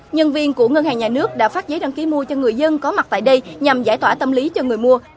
nhân viên của ngân hàng nhà nước đã phát giấy đăng ký mua cho người dân có mặt tại đây nhằm giải tỏa tâm lý cho người mua